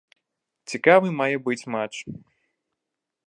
Цікавы мае быць матч.